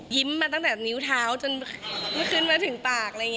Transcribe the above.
ยิ้มมาตั้งแต่นิ้วเท้าจนไม่ขึ้นมาถึงปาก